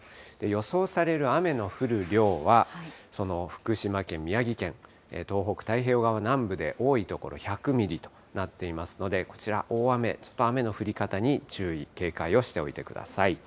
予想される雨の降る量は、その福島県、宮城県、東北太平洋側南部で、多い所１００ミリとなっていますので、こちら、大雨、ちょっと雨の降り方に注意、警戒をしておいてください。